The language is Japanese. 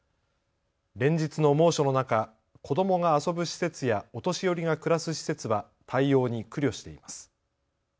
連日の猛暑の中、子どもが遊ぶ施設やお年寄りが暮らす施設は対応に苦慮しています。